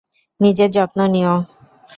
নিজের যত্ন নিও।